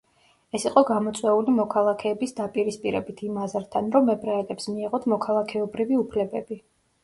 ეს იყო გამოწვეული მოქალაქეების დაპირისპირებით იმ აზრთან, რომ ებრაელებს მიეღოთ მოქალაქეობრივი უფლებები.